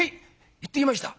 行ってきました」。